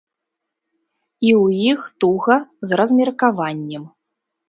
І ў іх туга з размеркаваннем.